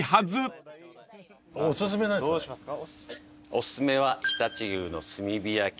おすすめは常陸牛の炭火焼。